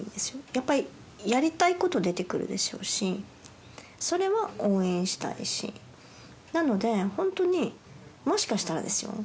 やっぱりやりたいこと出てくるでしょうしそれは応援したいしなのでホントにもしかしたらですよ